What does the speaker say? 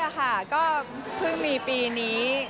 ค่ะก็เพิ่งมีปีนี้